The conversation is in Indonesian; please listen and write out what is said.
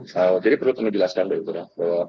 jadi perlu saya jelaskan dulu